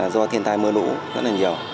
do thiên tai mưa lũ rất là nhiều